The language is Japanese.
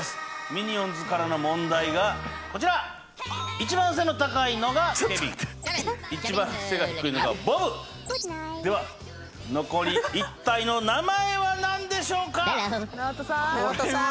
ミニオンズからの問題がこちら一番背の高いのがケビン一番背が低いのがボブでは残り１体の名前は何でしょうかＮＡＯＴＯさん